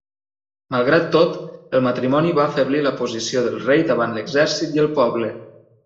Malgrat tot, el matrimoni va afeblir la posició del rei davant l'exèrcit i el poble.